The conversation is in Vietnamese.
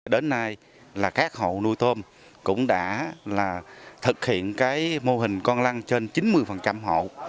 đến nay là các hộ nuôi tôm cũng đã là thực hiện cái mô hình con lăn trên chín mươi hộ